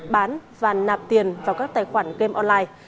bán và nạp tiền vào các tài khoản game online